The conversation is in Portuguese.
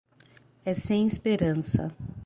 É sem esperança.